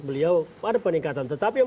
beliau ada peningkatan tetapi